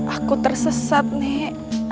aku tersesat nek